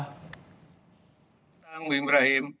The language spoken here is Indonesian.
selamat petang bu ibrahim